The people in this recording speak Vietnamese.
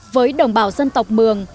với đồng bào dân tộc mường